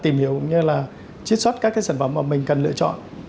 đầy nhiều cũng như là chích xuất các cái sản phẩm mà mình cần lựa chọn